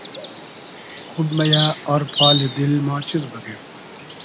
خوب مئیۂ آر پالی دیل ما چیز بوگیم